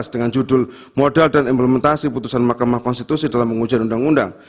dengan judul modal dan implementasi putusan mahkamah konstitusi dalam menguji undang undang